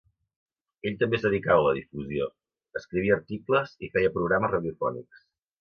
Ell també es dedicava a la difusió: escrivia articles i feia programes radiofònics.